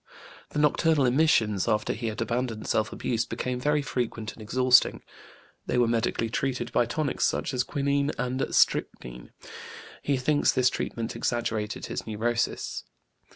The nocturnal emissions, after he had abandoned self abuse, became very frequent and exhausting. They were medically treated by tonics such as quinine and strychnine. He thinks this treatment exaggerated his neurosis.